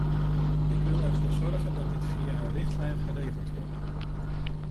Ik wil ervoor zorgen dat dit via een richtlijn geregeld wordt.